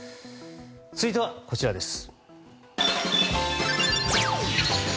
続いては、こちらです。